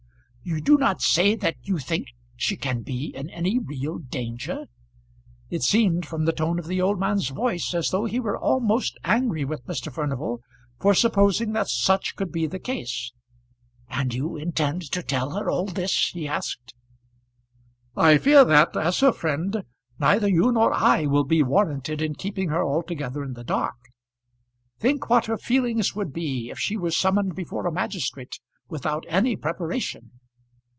You do not say that you think she can be in any real danger?" It seemed, from the tone of the old man's voice, as though he were almost angry with Mr. Furnival for supposing that such could be the case. "And you intend to tell her all this?" he asked. "I fear that, as her friend, neither you nor I will be warranted in keeping her altogether in the dark. Think what her feelings would be if she were summoned before a magistrate without any preparation!"